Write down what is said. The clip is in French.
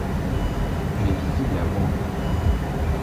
Elle est visible à Wandre.